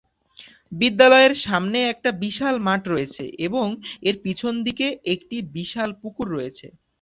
বিদ্যালয়ের সামনে একটি বিশাল মাঠ রয়েছে এবং এর পিছন দিকে একটি বিশাল পুকুর রয়েছে।